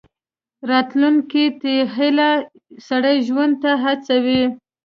راتلونکي ته هیله، سړی ژوند ته هڅوي.